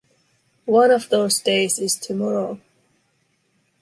One of those days is tomorrow.